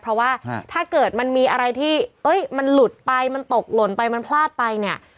เพราะว่าถ้าเกิดมันมีอะไรที่มันหลุดไปมันตกหล่นไปมันพลาดไปเนี่ย